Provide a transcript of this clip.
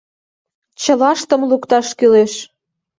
Чылаштым лукташ кӱлеш!